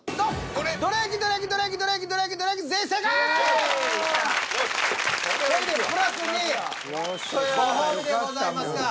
これでプラス２ご褒美でございますが。